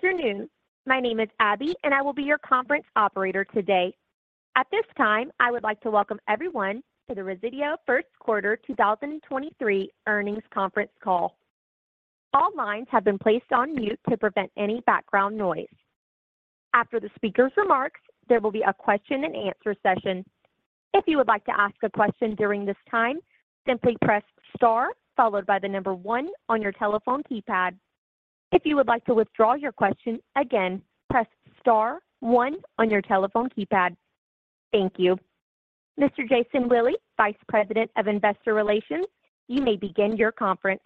Good afternoon. My name is Abby, and I will be your conference operator today. At this time, I would like to welcome everyone to the Resideo First Quarter 2023 Earnings Conference Call. All lines have been placed on mute to prevent any background noise. After the speaker's remarks, there will be a question and answer session. If you would like to ask a question during this time, simply press star followed by the number one on your telephone keypad. If you would like to withdraw your question, again, press star one on your telephone keypad. Thank you. Mr. Jason Willey, Vice President of Investor Relations, you may begin your conference.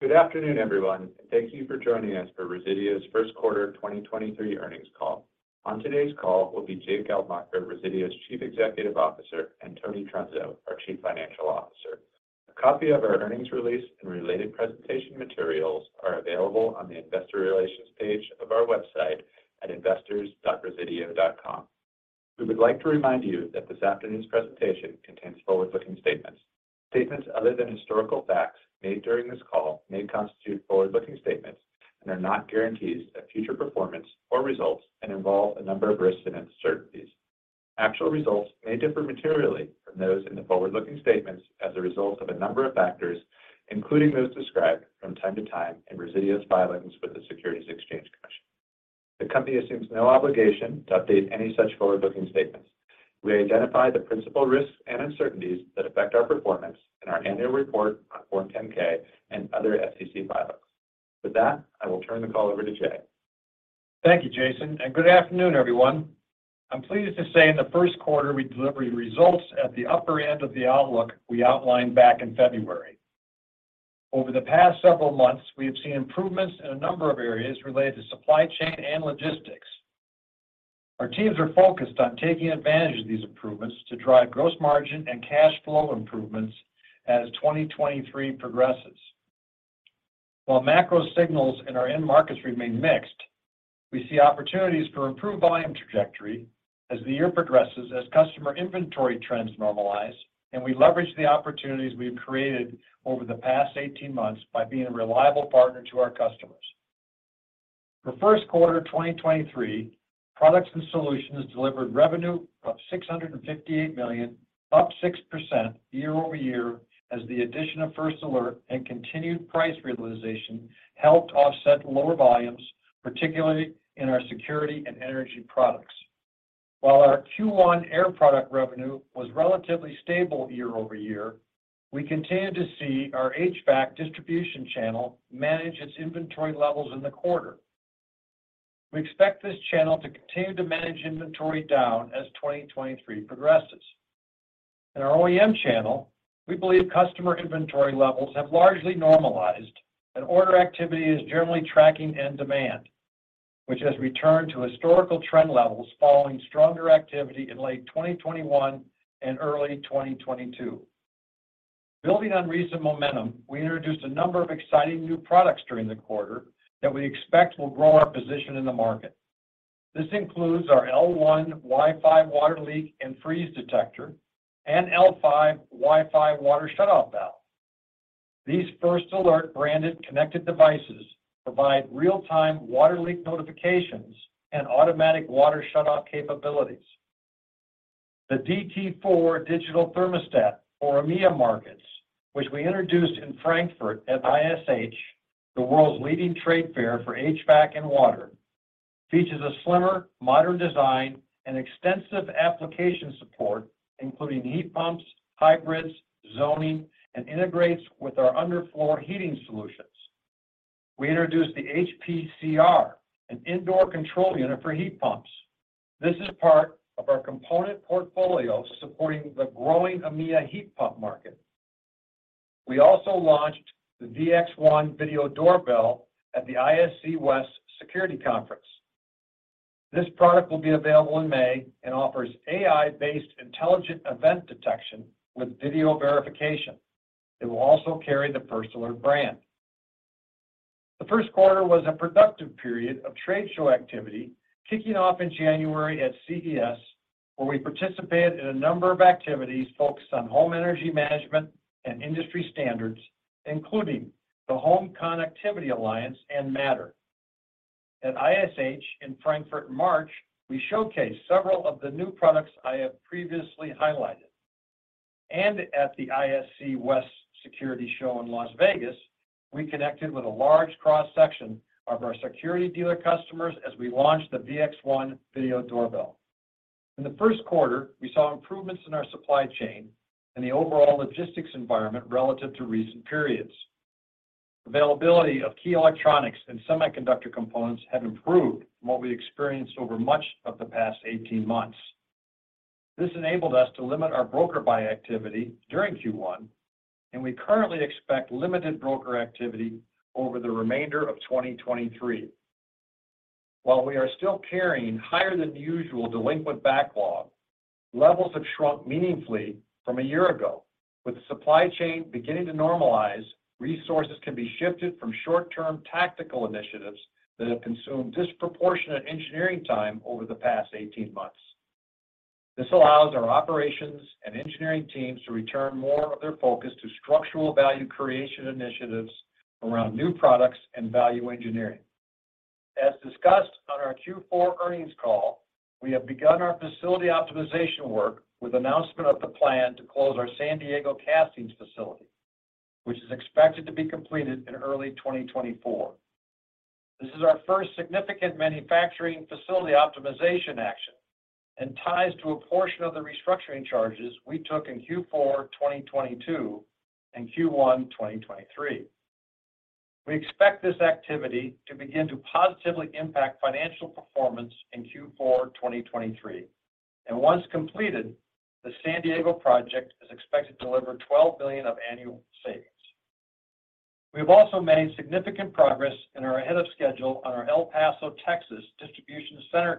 Good afternoon, everyone, and thank you for joining us for Resideo's First Quarter 2023 Earnings Call. On today's call will be Jay Geldmacher, Resideo's Chief Executive Officer, and Tony Trunzo, our Chief Financial Officer. A copy of our earnings release and related presentation materials are available on the investor relations page of our website at investors.resideo.com. We would like to remind you that this afternoon's presentation contains forward-looking statements. Statements other than historical facts made during this call may constitute forward-looking statements and are not guarantees of future performance or results and involve a number of risks and uncertainties. Actual results may differ materially from those in the forward-looking statements as a result of a number of factors, including those described from time to time in Resideo's filings with the Securities and Exchange Commission. The company assumes no obligation to update any such forward-looking statements. We identify the principal risks and uncertainties that affect our performance in our annual report on Form 10-K and other SEC filings. With that, I will turn the call over to Jay. Thank you, Jason, and good afternoon, everyone. I'm pleased to say in the first quarter we delivered results at the upper end of the outlook we outlined back in February. Over the past several months, we have seen improvements in a number of areas related to supply chain and logistics. Our teams are focused on taking advantage of these improvements to drive gross margin and cash flow improvements as 2023 progresses. While macro signals in our end markets remain mixed, we see opportunities for improved volume trajectory as the year progresses as customer inventory trends normalize, and we leverage the opportunities we've created over the past 18 months by being a reliable partner to our customers. For first quarter 2023, Products and Solutions delivered revenue of $658 million, up 6% year-over-year as the addition of First Alert and continued price realization helped offset lower volumes, particularly in our security and energy products. While our Q1 air product revenue was relatively stable year-over-year, we continue to see our HVAC distribution channel manage its inventory levels in the quarter. We expect this channel to continue to manage inventory down as 2023 progresses. In our OEM channel, we believe customer inventory levels have largely normalized, and order activity is generally tracking end demand, which has returned to historical trend levels following stronger activity in late 2021 and early 2022. Building on recent momentum, we introduced a number of exciting new products during the quarter that we expect will grow our position in the market. This includes our L1 Wi-Fi Water Leak and Freeze Detector and L5 Wi-Fi Water Shutoff Valve. These First Alert branded connected devices provide real-time water leak notifications and automatic water shutoff capabilities. The DT4 digital thermostat for EMEIA markets, which we introduced in Frankfurt at ISH, the world's leading trade fair for HVAC and water, features a slimmer, modern design and extensive application support, including heat pumps, hybrids, zoning, and integrates with our underfloor heating solutions. We introduced the HPC-r, an indoor control unit for heat pumps. This is part of our component portfolio supporting the growing EMEIA heat pump market. We also launched the VX1 Video Doorbell at the ISC West Security Conference. This product will be available in May and offers AI-based intelligent event detection with video verification. It will also carry the First Alert brand. The first quarter was a productive period of trade show activity kicking off in January at CES, where we participated in a number of activities focused on home energy management and industry standards, including the Home Connectivity Alliance and Matter. At ISH in Frankfurt in March, we showcased several of the new products I have previously highlighted and at the ISC West Security Show in Las Vegas, we connected with a large cross-section of our security dealer customers as we launched the VX1 video doorbell. In the first quarter, we saw improvements in our supply chain and the overall logistics environment relative to recent periods. Availability of key electronics and semiconductor components have improved from what we experienced over much of the past 18 months. This enabled us to limit our broker buy activity during Q1, and we currently expect limited broker activity over the remainder of 2023. While we are still carrying higher than usual delinquent backlog, levels have shrunk meaningfully from a year ago. With the supply chain beginning to normalize, resources can be shifted from short-term tactical initiatives that have consumed disproportionate engineering time over the past 18 months. This allows our operations and engineering teams to return more of their focus to structural value creation initiatives around new products and value engineering. As discussed on our Q4 earnings call, we have begun our facility optimization work with announcement of the plan to close our San Diego castings facility, which is expected to be completed in early 2024. This is our first significant manufacturing facility optimization action and ties to a portion of the restructuring charges we took in Q4 2022 and Q1 2023. We expect this activity to begin to positively impact financial performance in Q4 2023. Once completed, the San Diego project is expected to deliver $12 million of annual savings. We have also made significant progress and are ahead of schedule on our El Paso, Texas, distribution center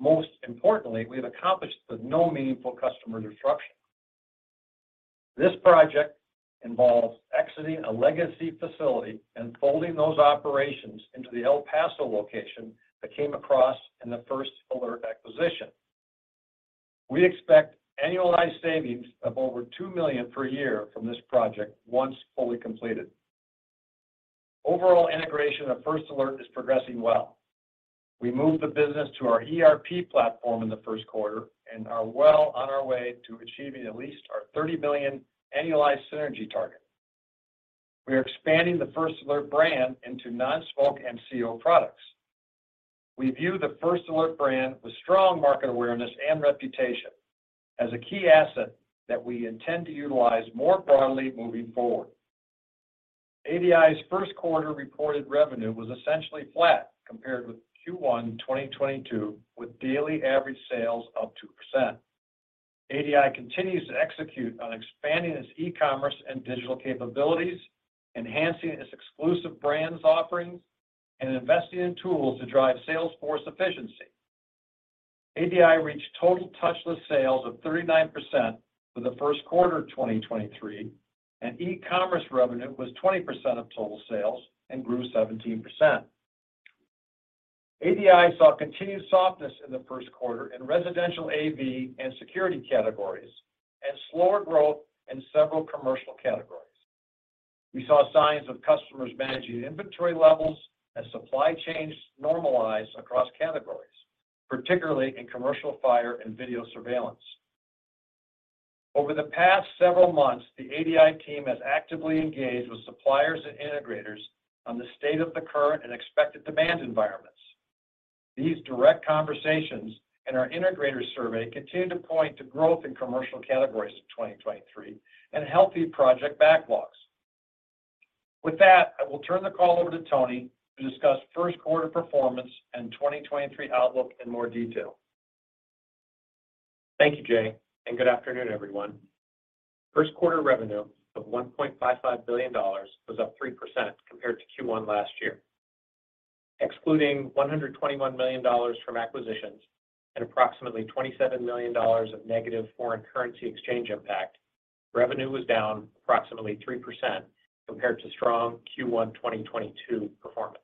consolidation. Most importantly, we have accomplished with no meaningful customer disruption. This project involves exiting a legacy facility and folding those operations into the El Paso location that came across in the First Alert acquisition. We expect annualized savings of over $2 million per year from this project once fully completed. Overall integration of First Alert is progressing well. We moved the business to our ERP platform in the first quarter and are well on our way to achieving at least our $30 million annualized synergy target. We are expanding the First Alert brand into non-smoke and CO products. We view the First Alert brand with strong market awareness and reputation as a key asset that we intend to utilize more broadly moving forward. ADI's first quarter reported revenue was essentially flat compared with Q1 2022, with daily average sales up 2%. ADI continues to execute on expanding its e-commerce and digital capabilities, enhancing its exclusive brands offerings, and investing in tools to drive sales force efficiency. ADI reached total touchless sales of 39% for the first quarter of 2023, and e-commerce revenue was 20% of total sales and grew 17%. ADI saw continued softness in the first quarter in residential AV and security categories and slower growth in several commercial categories. We saw signs of customers managing inventory levels as supply chains normalize across categories, particularly in commercial fire and video surveillance. Over the past several months, the ADI team has actively engaged with suppliers and integrators on the state of the current and expected demand environments. These direct conversations and our integrator survey continue to point to growth in commercial categories in 2023 and healthy project backlogs. With that, I will turn the call over to Tony to discuss first quarter performance and 2023 outlook in more detail. Thank you, Jay, and good afternoon, everyone. First quarter revenue of $1.55 billion was up 3% compared to Q1 last year. Excluding $121 million from acquisitions and approximately $27 million of negative foreign currency exchange impact, revenue was down approximately 3% compared to strong Q1 2022 performance.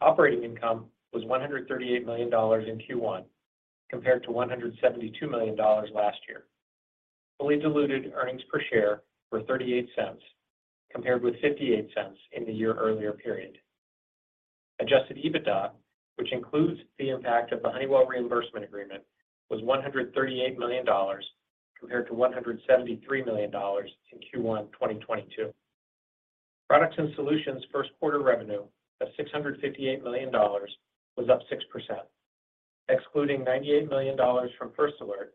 Operating income was $138 million in Q1 compared to $172 million last year. Fully diluted earnings per share were $0.38 compared with $0.58 in the year earlier period. Adjusted EBITDA, which includes the impact of the Honeywell reimbursement agreement, was $138 million compared to $173 million in Q1 2022. Products and Solutions first quarter revenue of $658 million was up 6%. Excluding $98 million from First Alert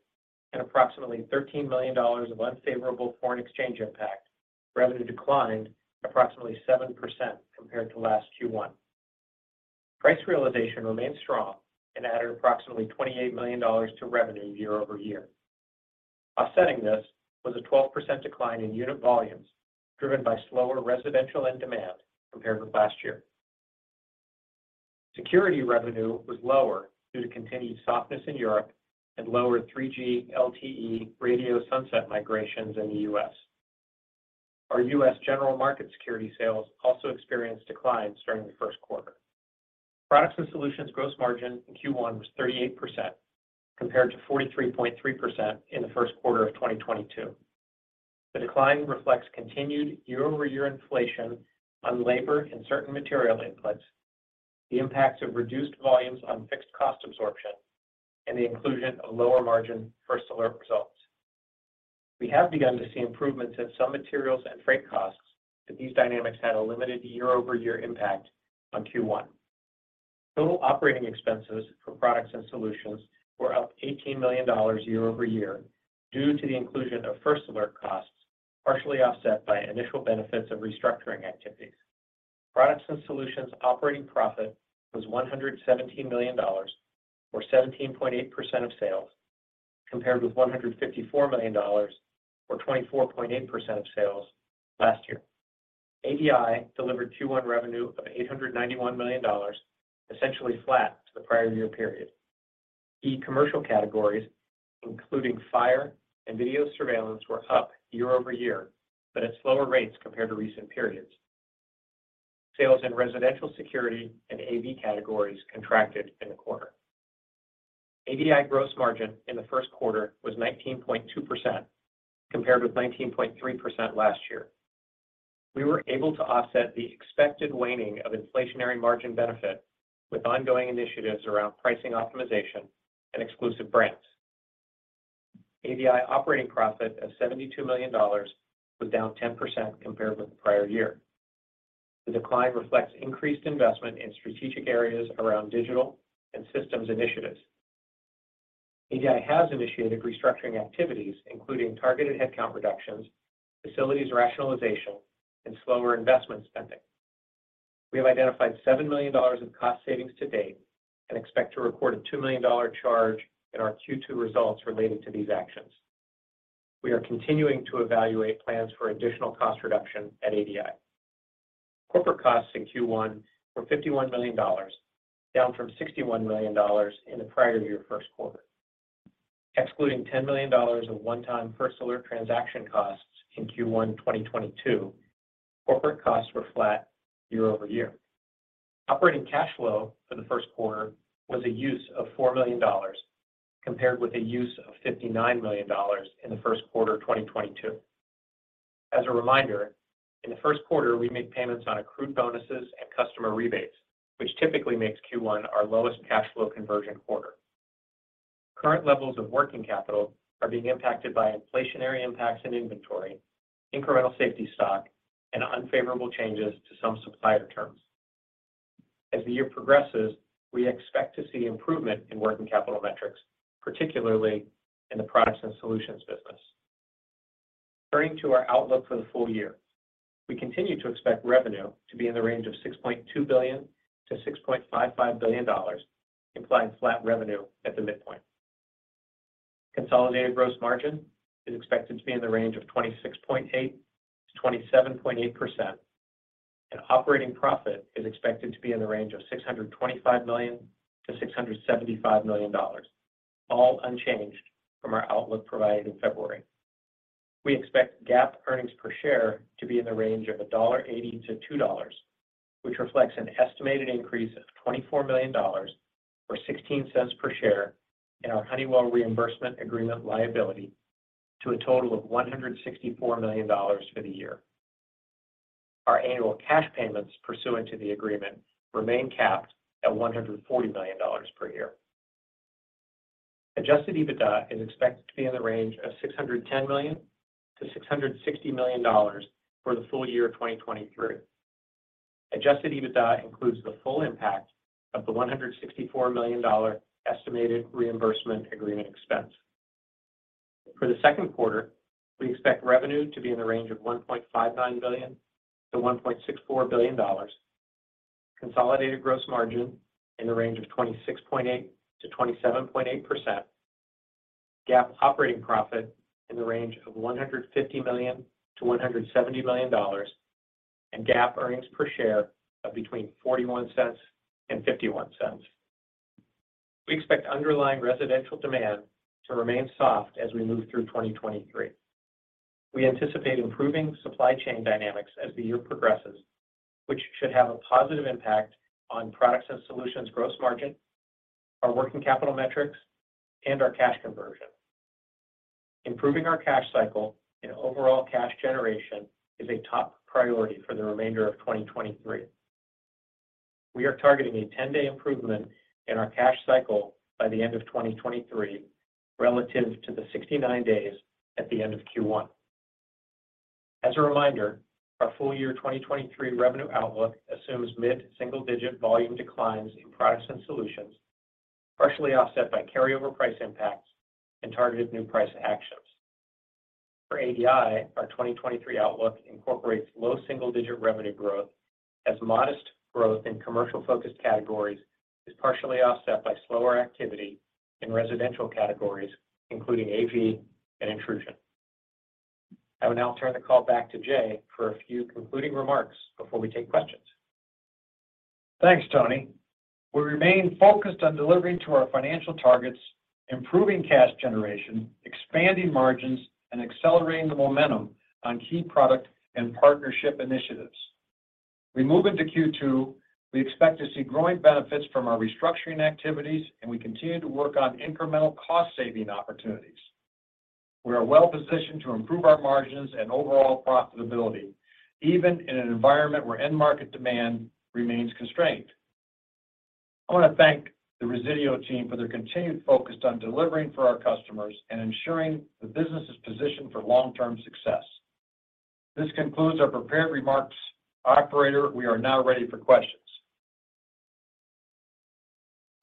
and approximately $13 million of unfavorable foreign exchange impact, revenue declined approximately 7% compared to last Q1. Price realization remained strong and added approximately $28 million to revenue year-over-year. Offsetting this was a 12% decline in unit volumes, driven by slower residential end demand compared with last year. Security revenue was lower due to continued softness in Europe and lower 3G LTE radio sunset migrations in the U.S. Our U.S. general market security sales also experienced declines during the first quarter. Products and Solutions gross margin in Q1 was 38% compared to 43.3% in the first quarter of 2022. The decline reflects continued year-over-year inflation on labor and certain material inputs, the impacts of reduced volumes on fixed cost absorption, and the inclusion of lower margin First Alert results. We have begun to see improvements in some materials and freight costs, but these dynamics had a limited year-over-year impact on Q1. Total operating expenses for Products and Solutions were up $18 million year-over-year due to the inclusion of First Alert costs, partially offset by initial benefits of restructuring activities. Products and Solutions operating profit was $117 million, or 17.8% of sales, compared with $154 million, or 24.8% of sales, last year. ADI delivered Q1 revenue of $891 million, essentially flat to the prior year period. Key commercial categories, including fire and video surveillance, were up year-over-year, but at slower rates compared to recent periods. Sales in residential security and AV categories contracted in the quarter. ADI gross margin in the first quarter was 19.2%, compared with 19.3% last year. We were able to offset the expected waning of inflationary margin benefit with ongoing initiatives around pricing optimization and exclusive brands. ADI operating profit of $72 million was down 10% compared with the prior year. The decline reflects increased investment in strategic areas around digital and systems initiatives. ADI has initiated restructuring activities, including targeted headcount reductions, facilities rationalization, and slower investment spending. We have identified $7 million in cost savings to date and expect to record a $2 million charge in our Q2 results related to these actions. We are continuing to evaluate plans for additional cost reduction at ADI. Corporate costs in Q1 were $51 million, down from $61 million in the prior year first quarter. Excluding $10 million of one-time First Alert transaction costs in Q1 2022, corporate costs were flat year-over-year. Operating cash flow for the first quarter was a use of $4 million, compared with a use of $59 million in the first quarter 2022. As a reminder, in the first quarter, we make payments on accrued bonuses and customer rebates, which typically makes Q1 our lowest cash flow conversion quarter. Current levels of working capital are being impacted by inflationary impacts in inventory, incremental safety stock, and unfavorable changes to some supplier terms. As the year progresses, we expect to see improvement in working capital metrics, particularly in the Products and Solutions business. Turning to our outlook for the full year, we continue to expect revenue to be in the range of $6.2 billion-$6.55 billion, implying flat revenue at the midpoint. Consolidated gross margin is expected to be in the range of 26.8%-27.8%, and operating profit is expected to be in the range of $625 million-$675 million, all unchanged from our outlook provided in February. We expect GAAP earnings per share to be in the range of $1.80-$2.00, which reflects an estimated increase of $24 million, or $0.16 per share in our Honeywell reimbursement agreement liability to a total of $164 million for the year. Our annual cash payments pursuant to the agreement remain capped at $140 million per year. Adjusted EBITDA is expected to be in the range of $610 million-$660 million for the full year 2023. Adjusted EBITDA includes the full impact of the $164 million estimated reimbursement agreement expense. For the second quarter, we expect revenue to be in the range of $1.59 billion-$1.64 billion, consolidated gross margin in the range of 26.8%-27.8%, GAAP operating profit in the range of $150 million-$170 million, and GAAP earnings per share of between $0.41 and $0.51. We expect underlying residential demand to remain soft as we move through 2023. We anticipate improving supply chain dynamics as the year progresses, which should have a positive impact on Products and Solutions gross margin, our working capital metrics, and our cash conversion. Improving our cash cycle and overall cash generation is a top priority for the remainder of 2023. We are targeting a 10-day improvement in our cash cycle by the end of 2023 relative to the 69 days at the end of Q1. As a reminder, our full year 2023 revenue outlook assumes mid-single-digit volume declines in Products and Solutions, partially offset by carryover price impacts and targeted new price actions. For ADI, our 2023 outlook incorporates low single-digit revenue growth as modest growth in commercial-focused categories is partially offset by slower activity in residential categories, including AV and intrusion. I will now turn the call back to Jay for a few concluding remarks before we take questions. Thanks, Tony. We remain focused on delivering to our financial targets, improving cash generation, expanding margins, and accelerating the momentum on key product and partnership initiatives. We move into Q2, we expect to see growing benefits from our restructuring activities, and we continue to work on incremental cost-saving opportunities. We are well positioned to improve our margins and overall profitability, even in an environment where end market demand remains constrained. I want to thank the Resideo team for their continued focus on delivering for our customers and ensuring the business is positioned for long-term success. This concludes our prepared remarks. Operator, we are now ready for questions.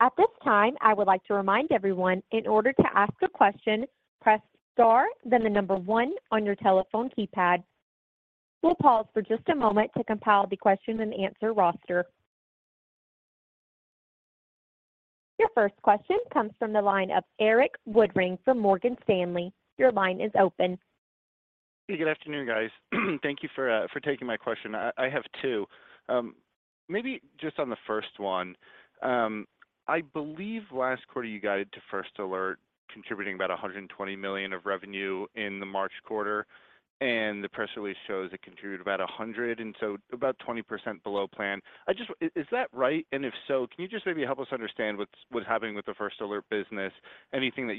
At this time, I would like to remind everyone, in order to ask a question, press star, then the number one on your telephone keypad. We'll pause for just a moment to compile the question and answer roster. Your first question comes from the line of Erik Woodring from Morgan Stanley. Your line is open. Good afternoon, guys. Thank you for taking my question. I have two. Maybe just on the first one. I believe last quarter you guided to First Alert contributing about $120 million of revenue in the March quarter, and the press release shows it contributed about $100 million, and so about 20% below plan. Is that right? If so, can you just maybe help us understand what's happening with the First Alert business? Anything that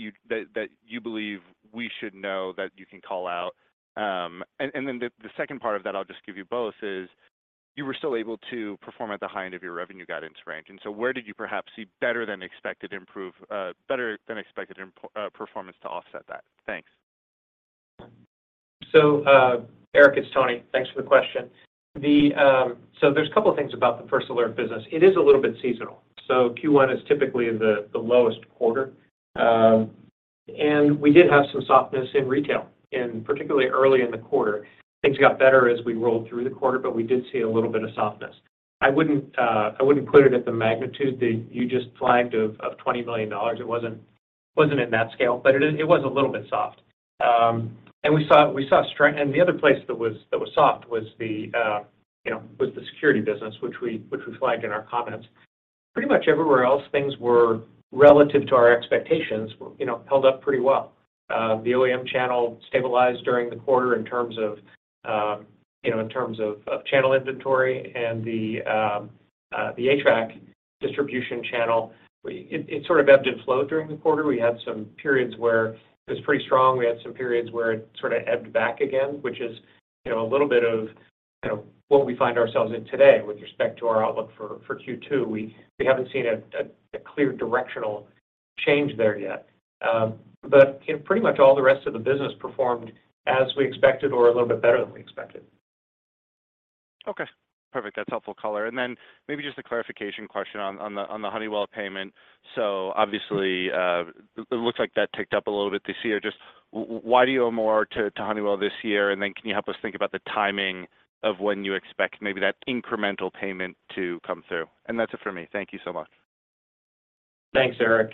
you believe we should know that you can call out. The second part of that, I'll just give you both, is you were still able to perform at the high end of your revenue guidance range. Where did you perhaps see better than expected performance to offset that? Thanks. Erik, it's Tony. Thanks for the question. There's a couple of things about the First Alert business. It is a little bit seasonal, so Q1 is typically the lowest quarter. We did have some softness in retail, in particularly early in the quarter. Things got better as we rolled through the quarter, but we did see a little bit of softness. I wouldn't put it at the magnitude that you just flagged of $20 million. It wasn't in that scale, but it was a little bit soft. We saw. The other place that was soft was the, you know, was the security business, which we flagged in our comments. Pretty much everywhere else, things were relative to our expectations, you know, held up pretty well. The OEM channel stabilized during the quarter in terms of, you know, in terms of channel inventory and the ATRAC distribution channel. It sort of ebbed and flowed during the quarter. We had some periods where it was pretty strong. We had some periods where it sort of ebbed back again, which is, you know, a little bit of, you know, what we find ourselves in today with respect to our outlook for Q2. We haven't seen a clear directional change there yet. Pretty much all the rest of the business performed as we expected or a little bit better than we expected. Okay. Perfect. That's helpful color. Maybe just a clarification question on the Honeywell payment. Obviously, it looks like that ticked up a little bit this year. Just why do you owe more to Honeywell this year? Can you help us think about the timing of when you expect maybe that incremental payment to come through? That's it for me. Thank you so much. Thanks, Erik.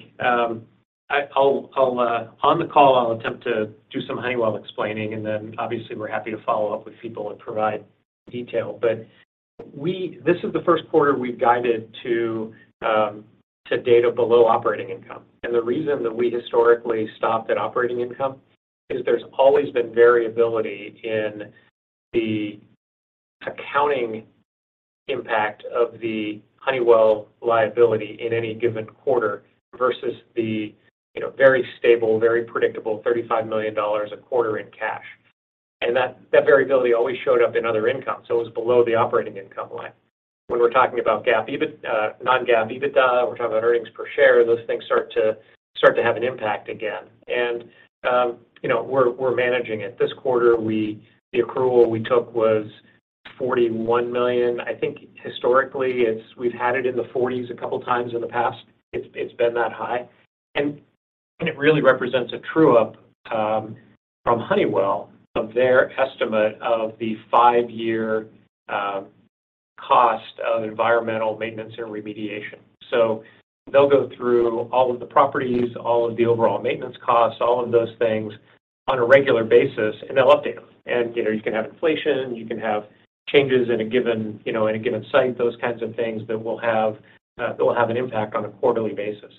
On the call, I'll attempt to do some Honeywell explaining. Obviously we're happy to follow up with people and provide detail. This is the first quarter we've guided to data below operating income. The reason that we historically stopped at operating income is there's always been variability in the accounting impact of the Honeywell liability in any given quarter versus the, you know, very stable, very predictable $35 million a quarter in cash. That variability always showed up in other income, it was below the operating income line. When we're talking about GAAP, non-GAAP EBITDA, we're talking about earnings per share, those things start to have an impact again. You know, we're managing it. This quarter, the accrual we took was $41 million. I think historically, we've had it in the 40s a couple of times in the past. It's been that high. It really represents a true-up from Honeywell of their estimate of the 5-year cost of environmental maintenance and remediation. They'll go through all of the properties, all of the overall maintenance costs, all of those things on a regular basis, and they'll update them. You know, you can have inflation, you can have changes in a given, you know, in a given site, those kinds of things that will have that will have an impact on a quarterly basis.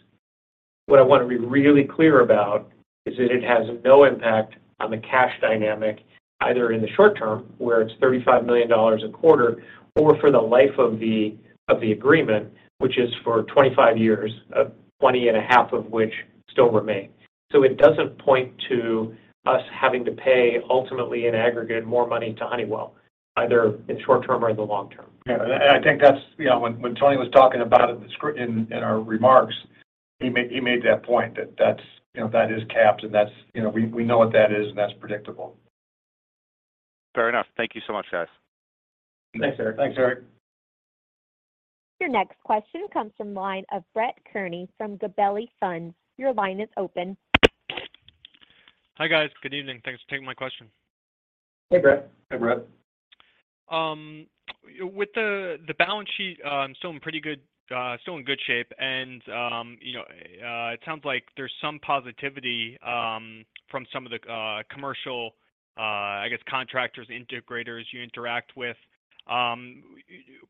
What I want to be really clear about is that it has no impact on the cash dynamic, either in the short term, where it's $35 million a quarter, or for the life of the agreement, which is for 25 years, 20 and a half of which still remain. It doesn't point to us having to pay ultimately in aggregate more money to Honeywell, either in short term or in the long term. Yeah. I think that's, you know, when Tony was talking about it in our remarks, he made that point that that's, you know, that is capped, and that's, you know, we know what that is, and that's predictable. Fair enough. Thank you so much, guys. Thanks, Erik. Thanks, Erik. Your next question comes from the line of Brett Kearney from Gabelli Funds. Your line is open. Hi, guys. Good evening. Thanks for taking my question. Hey, Brett. Hey, Brett. With the balance sheet, still in pretty good, still in good shape, and, you know, it sounds like there's some positivity, from some of the, commercial, I guess contractors, integrators you interact with. Can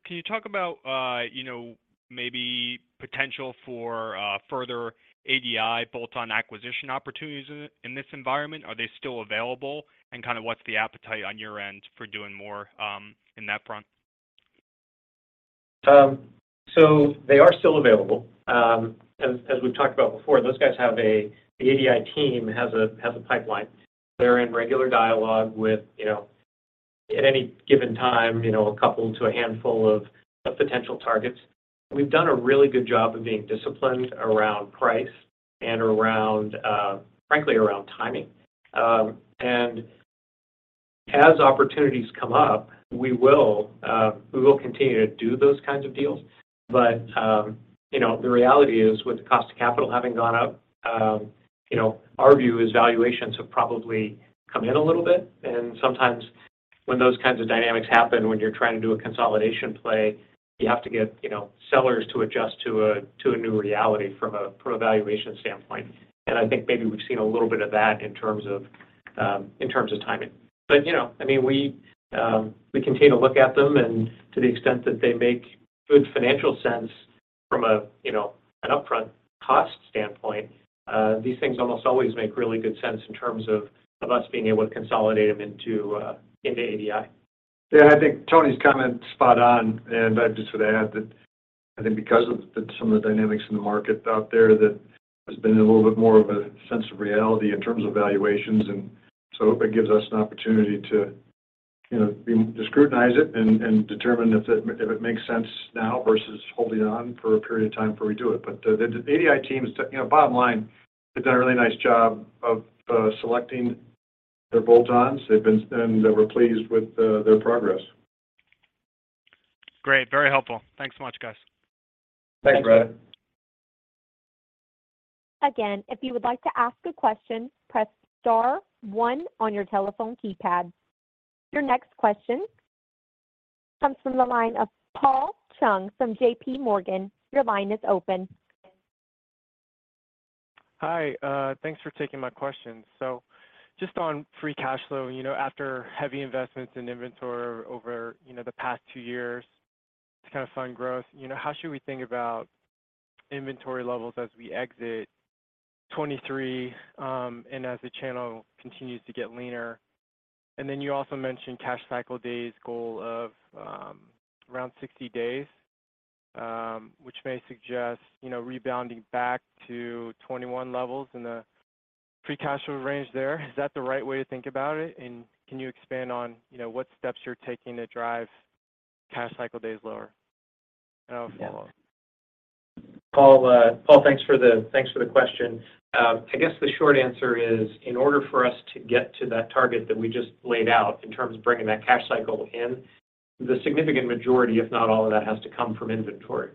you talk about, you know, maybe potential for, further ADI bolt-on acquisition opportunities in this environment? Are they still available? Kind of what's the appetite on your end for doing more, in that front? They are still available. As we've talked about before, those guys the ADI team has a pipeline. They're in regular dialogue with, you know, at any given time, you know, a couple to a handful of potential targets. We've done a really good job of being disciplined around price and around, frankly, around timing. As opportunities come up, we will continue to do those kinds of deals. The reality is with the cost of capital having gone up, you know, our view is valuations have probably come in a little bit. Sometimes when those kinds of dynamics happen, when you're trying to do a consolidation play, you have to get, you know, sellers to adjust to a new reality from a valuation standpoint. I think maybe we've seen a little bit of that in terms of timing. You know, I mean, we continue to look at them and to the extent that they make good financial sense from a, you know, an upfront cost standpoint, these things almost always make really good sense in terms of us being able to consolidate them into ADI. Yeah. I think Tony's comment, spot on, and I just would add that I think because of the some of the dynamics in the market out there that there's been a little bit more of a sense of reality in terms of valuations. It gives us an opportunity to, you know, to scrutinize it and determine if it makes sense now versus holding on for a period of time before we do it. The ADI team is, you know, bottom line, they've done a really nice job of selecting their bolt-ons, and we're pleased with their progress. Great. Very helpful. Thanks so much, guys. Thanks, Brad. Thanks. Again, if you would like to ask a question, press star one on your telephone keypad. Your next question comes from the line of Paul Chung from JP Morgan. Your line is open. Hi. Thanks for taking my question. Just on free cash flow, you know, after heavy investments in inventory over, you know, the past two years to kind of fund growth, you know, how should we think about inventory levels as we exit 2023, and as the channel continues to get leaner? You also mentioned cash cycle days goal of around 60 days, which may suggest, you know, rebounding back to 2021 levels in the free cash flow range there. Is that the right way to think about it? Can you expand on, you know, what steps you're taking to drive cash cycle days lower? I'll follow. Paul, thanks for the question. I guess the short answer is, in order for us to get to that target that we just laid out in terms of bringing that cash cycle in, the significant majority, if not all of that, has to come from inventory.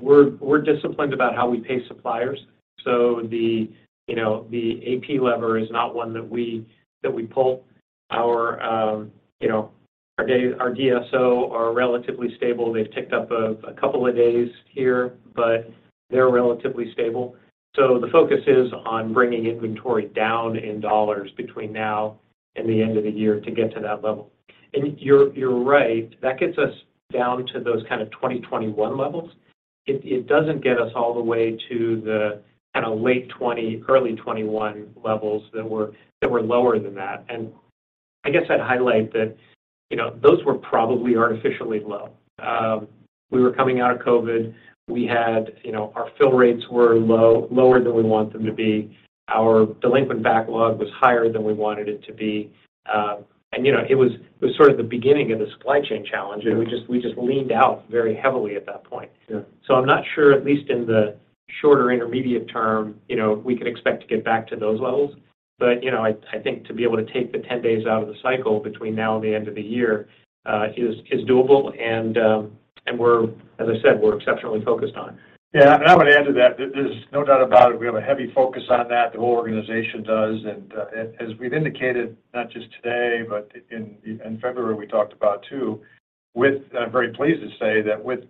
We're disciplined about how we pay suppliers. The, you know, the AP lever is not one that we pull. Our, you know, our DSO are relatively stable. They've ticked up a couple of days here, but they're relatively stable. The focus is on bringing inventory down in dollars between now and the end of the year to get to that level. You're right. That gets us down to those kind of 2020-2021 levels. It doesn't get us all the way to the kind of late 2020, early 2021 levels that were lower than that. I guess I'd highlight that, you know, those were probably artificially low. We were coming out of COVID. We had, you know, our fill rates were low, lower than we want them to be. Our delinquent backlog was higher than we wanted it to be. You know, it was sort of the beginning of the supply chain challenge. Yeah We just, we just leaned out very heavily at that point. Yeah. I'm not sure, at least in the shorter intermediate term, you know, we could expect to get back to those levels. You know, I think to be able to take the 10 days out of the cycle between now and the end of the year, is doable and we're, as I said, we're exceptionally focused on. Yeah. I would add to that. There's no doubt about it. We have a heavy focus on that, the whole organization does. As we've indicated, not just today, but in February we talked about too. I'm very pleased to say that with,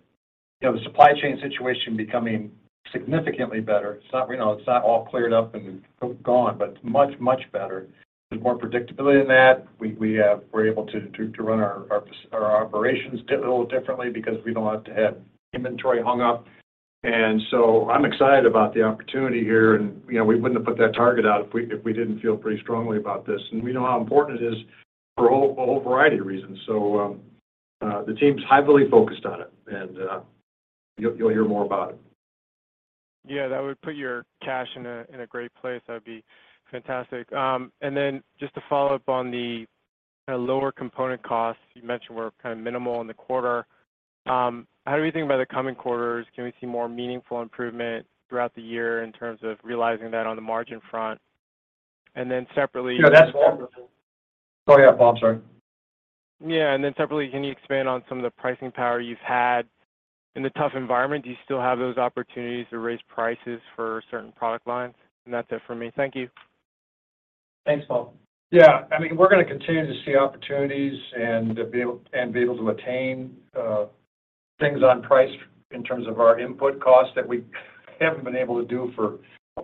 you know, the supply chain situation becoming significantly better, it's not, you know, it's not all cleared up and gone, but it's much, much better. There's more predictability in that. We're able to run our operations a little differently because we don't have to have inventory hung up. I'm excited about the opportunity here. You know, we wouldn't have put that target out if we didn't feel pretty strongly about this. We know how important it is for a whole variety of reasons. The team's highly focused on it, and, you'll hear more about it. Yeah. That would put your cash in a, in a great place. That'd be fantastic. Just to follow up on the kind of lower component costs you mentioned were kind of minimal in the quarter, how do we think about the coming quarters? Can we see more meaningful improvement throughout the year in terms of realizing that on the margin front? Separately. Yeah, that's. Oh, yeah, Paul, I'm sorry. Yeah. Then separately, can you expand on some of the pricing power you've had in the tough environment? Do you still have those opportunities to raise prices for certain product lines? That's it for me. Thank you. Thanks, Paul. Yeah. I mean, we're gonna continue to see opportunities and be able to attain things on price in terms of our input costs that we haven't been able to do for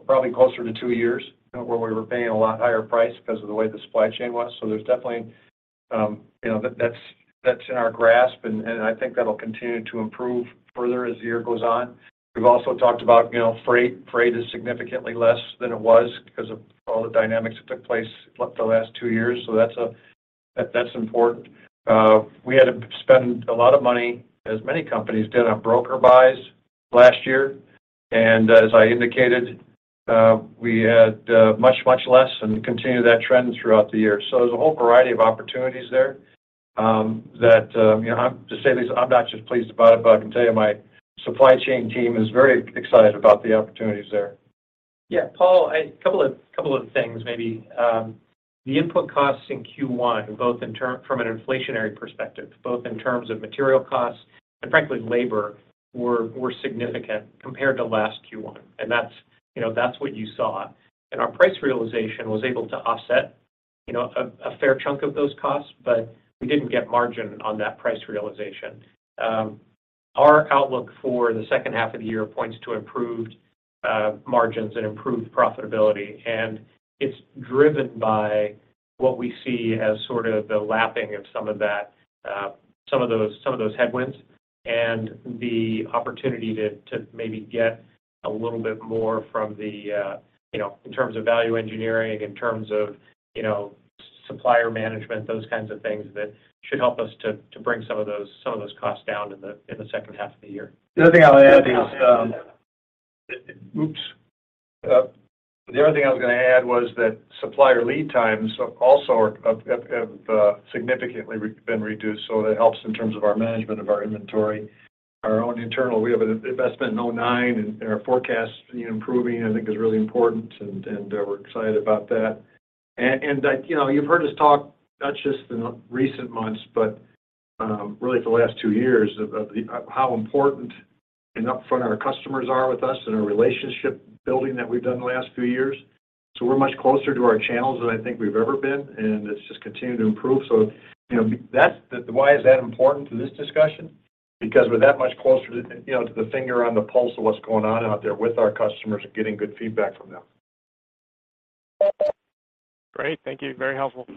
probably closer to two years where we were paying a lot higher price because of the way the supply chain was. There's definitely, you know, that's in our grasp, and I think that'll continue to improve further as the year goes on. We've also talked about, you know, freight. Freight is significantly less than it was because of all the dynamics that took place the last two years, so that's important. We had to spend a lot of money, as many companies did, on broker buys last year. As I indicated, we had much less and continue that trend throughout the year. There's a whole variety of opportunities there, that, you know, to say at least I'm not just pleased about it, but I can tell you my supply chain team is very excited about the opportunities there. Paul, a couple of things maybe. The input costs in Q1, both from an inflationary perspective, both in terms of material costs and frankly labor were significant compared to last Q1. That's, you know, that's what you saw. Our price realization was able to offset, you know, a fair chunk of those costs, but we didn't get margin on that price realization. Our outlook for the second half of the year points to improved margins and improved profitability. It's driven by what we see as sort of the lapping of some of that, some of those headwinds, and the opportunity to maybe get a little bit more from the, you know, in terms of value engineering, in terms of, you know, supplier management, those kinds of things that should help us to bring some of those costs down in the second half of the year. The other thing I would add is, the other thing I was gonna add was that supplier lead times also have significantly been reduced, so that helps in terms of our management of our inventory. Our own internal, we have an investment in 09, and our forecast, you know, improving, I think is really important and we're excited about that. Like, you know, you've heard us talk, not just in recent months, but really the last two years of how important and upfront our customers are with us and our relationship building that we've done in the last few years. We're much closer to our channels than I think we've ever been, and it's just continuing to improve. You know, Why is that important to this discussion? We're that much closer to, you know, to the finger on the pulse of what's going on out there with our customers and getting good feedback from them. Great. Thank you. Very helpful.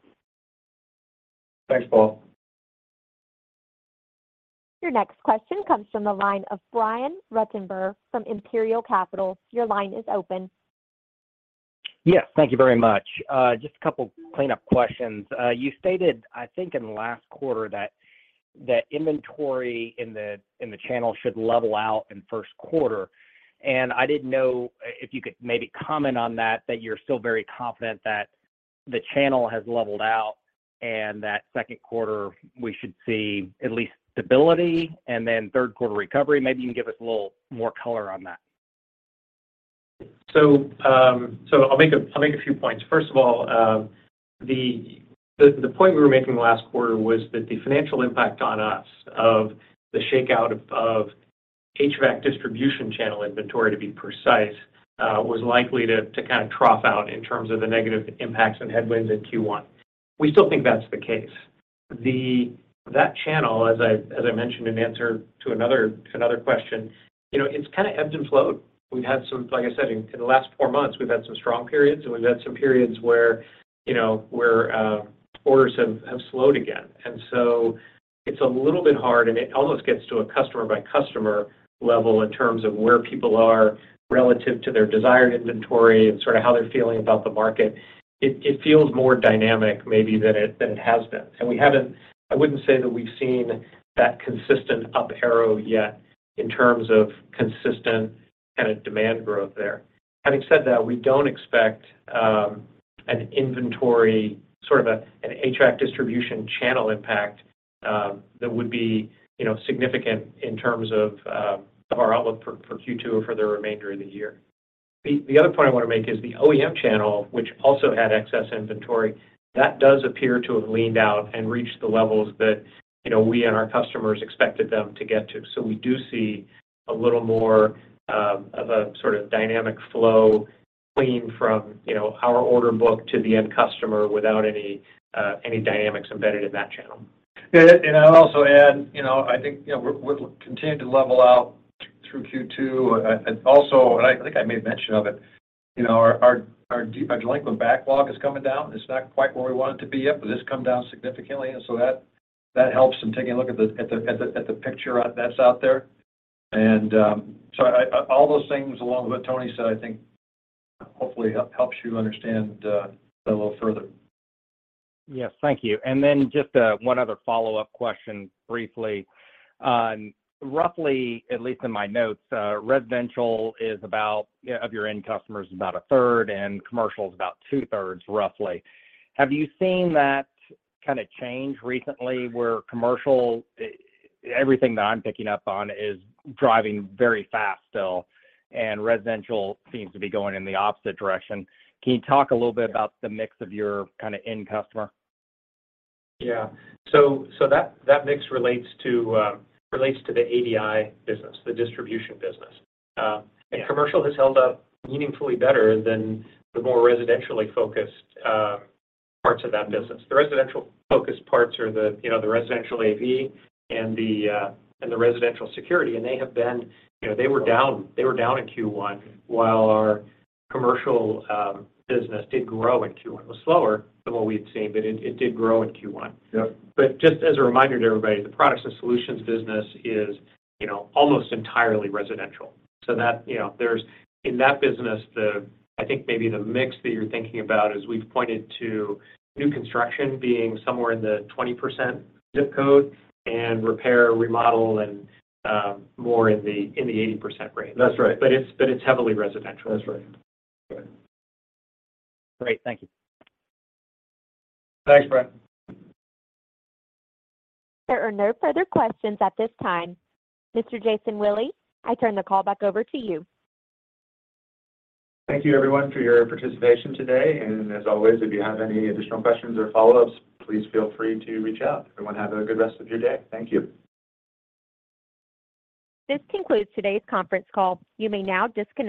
Thanks, Paul. Your next question comes from the line of Brian Ruttenbur from Imperial Capital. Your line is open. Yes. Thank you very much. Just a couple clean up questions. You stated, I think in the last quarter, that inventory in the channel should level out in first quarter. I didn't know if you could maybe comment on that you're still very confident that the channel has leveled out and that second quarter we should see at least stability and then third quarter recovery. Maybe you can give us a little more color on that. I'll make a few points. First of all, the point we were making last quarter was that the financial impact on us of the shakeout of HVAC distribution channel inventory, to be precise, was likely to kind of trough out in terms of the negative impacts and headwinds in Q1. We still think that's the case. That channel, as I mentioned in answer to another question, you know, it's kind of ebbed and flowed. We've had some, like I said, in the last four months, we've had some strong periods, and we've had some periods where, you know, orders have slowed again. It's a little bit hard, and it almost gets to a customer by customer level in terms of where people are relative to their desired inventory and sort of how they're feeling about the market. It feels more dynamic maybe than it has been. We haven't I wouldn't say that we've seen that consistent up arrow yet in terms of consistent kinda demand growth there. Having said that, we don't expect an inventory, sort of a, an HVAC distribution channel impact that would be, you know, significant in terms of of our outlook for Q2 or for the remainder of the year. The other point I wanna make is the OEM channel, which also had excess inventory, that does appear to have leaned out and reached the levels that, you know, we and our customers expected them to get to. We do see a little more of a sort of dynamic flow clean from, you know, our order book to the end customer without any dynamics embedded in that channel. Yeah. I'd also add, I think, we're continuing to level out through Q2. Also, I think I made mention of it, our delinquent backlog is coming down. It's not quite where we want it to be yet, but it's come down significantly, that helps in taking a look at the picture that's out there. All those things along what Tony said, I think hopefully helps you understand that a little further. Yes. Thank you. Just one other follow-up question briefly. Roughly, at least in my notes, residential is about, of your end customers, about a third, and commercial is about two-thirds, roughly. Have you seen that kind of change recently where commercial, everything that I'm picking up on is driving very fast still, and residential seems to be going in the opposite direction? Can you talk a little bit about the mix of your kind of end customer? Yeah. That mix relates to, relates to the ADI business, the distribution business. Yeah. Commercial has held up meaningfully better than the more residentially focused parts of that business. The residential focused parts are the, you know, the residential AV and the residential security. You know, they were down in Q1 while our commercial business did grow in Q1. It was slower than what we'd seen, but it did grow in Q1. Yep. Just as a reminder to everybody, the Products and Solutions business is, you know, almost entirely residential. That, you know, In that business, the, I think maybe the mix that you're thinking about is we've pointed to new construction being somewhere in the 20% ZIP code and repair, remodel, and more in the 80% range. That's right. It's heavily residential. That's right. Yeah. Great. Thank you. Thanks, Brian. There are no further questions at this time. Mr. Jason Willey, I turn the call back over to you. Thank you everyone for your participation today. As always, if you have any additional questions or follow-ups, please feel free to reach out. Everyone have a good rest of your day. Thank you. This concludes today's conference call. You may now disconnect.